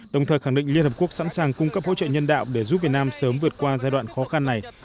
đồng thời khẳng định liên hợp quốc sẵn sàng cung cấp hỗ trợ nhân đạo để giúp việt nam sớm vượt qua giai đoạn khó khăn này